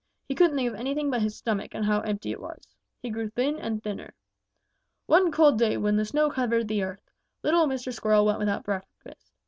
He couldn't think of anything but his stomach and how empty it was. He grew thin and thinner. "One cold day when the snow covered the earth, little Mr. Squirrel went without breakfast.